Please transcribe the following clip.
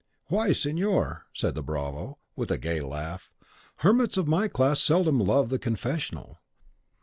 "Why, signor," said the bravo, with a gay laugh, "hermits of my class seldom love the confessional.